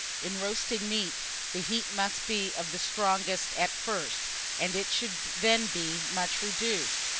In roasting meat, the heat must be strongest at first, and it should then be much reduced.